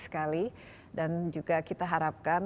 sekali dan juga kita harapkan